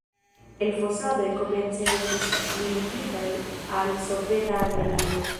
Elfosadoj komence estis limigitaj al soveta Armenio.